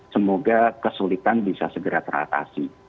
semoga kesulitan bisa segera teratasi